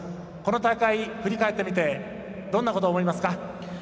この大会、振り返ってみてどんなこと思いますか？